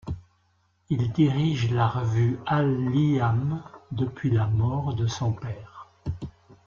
Il dirige la revue Al Liamm depuis la mort de son père.